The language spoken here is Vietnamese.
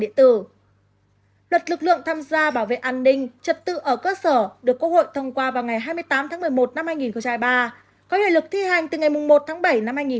luật lực lượng tham gia bảo vệ an ninh trật tự ở cơ sở được quốc hội thông qua vào ngày hai mươi tám tháng một mươi một năm hai nghìn hai mươi ba có hiệu lực thi hành từ ngày một tháng bảy năm hai nghìn hai mươi